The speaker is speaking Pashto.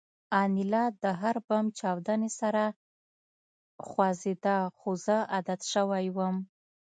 انیلا د هر بم چاودنې سره خوځېده خو زه عادت شوی وم